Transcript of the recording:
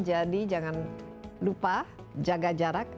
jadi jangan lupa jaga jarak